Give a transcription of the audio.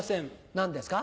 何ですか？